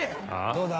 どうだ？